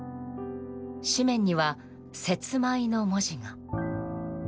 誌面には「節米」の文字が。